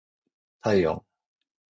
体温